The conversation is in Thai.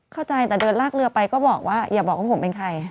เข้าใจแต่เดินลากเรือไปก็บอกว่าอย่าบอกว่าผมเป็นใคร